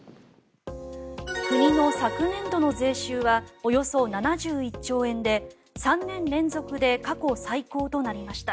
国の昨年度の税収はおよそ７１兆円で３年連続で過去最高となりました。